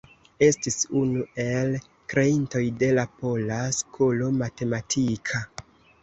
Estis unu el kreintoj de la pola skolo matematika.